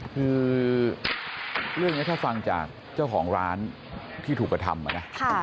คือเรื่องนี้ถ้าฟังจากเจ้าของร้านที่ถูกกระทำมานะ